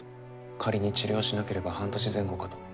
仮に治療しなければ半年前後かと。